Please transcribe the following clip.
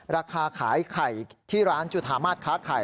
ราคาขายไข่ที่ร้านจุธามาสค้าไข่